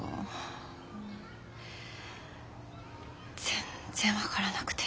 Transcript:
全然分からなくて。